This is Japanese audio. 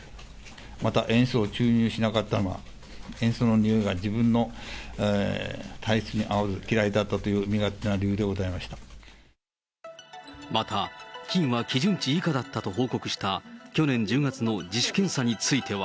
また塩素を注入しなかったのは、塩素のにおいが、自分の体質に合わず嫌いだったという、身勝手な理由でございましまた、菌は基準値以下だったと報告した去年１０月の自主検査については。